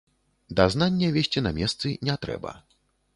Дазнання весці на месцы не трэба.